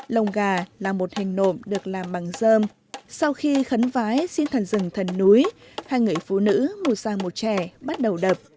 lồng gà là một hình nộm được làm bằng dơm sau khi khấn vái xin thần rừng thần núi hai người phụ nữ ngủ sang một trẻ bắt đầu đập